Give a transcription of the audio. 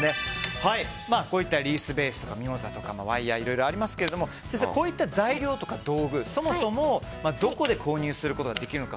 こういったリースベースとかミモザとかいろいろありますが先生、こういった材料とか道具そもそも、どこで購入することができるのか。